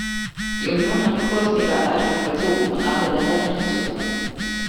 Die Union hat vor kurzem ihre Erweiterung vollzogen, und arme Länder sind hinzugekommen.